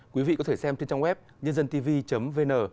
quý vị có thể xem trên trang web nhândântv vn